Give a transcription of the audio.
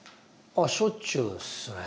あっしょっちゅうっすね。